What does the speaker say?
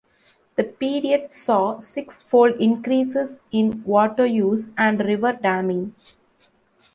The period saw sixfold increases in water use and river damming.